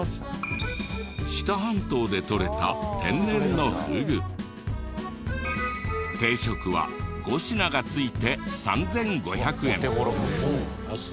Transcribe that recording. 知多半島でとれた定食は５品がついて３５００円。